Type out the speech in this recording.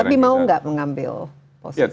tapi mau gak mengambil posisi itu